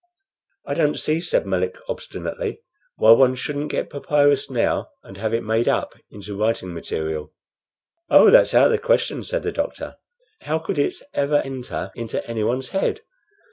"I don't see," said Melick, obstinately, "why one shouldn't get papyrus now and have it made up into writing material." "Oh, that's out of the question," said the doctor. "How could it ever enter into anyone's head?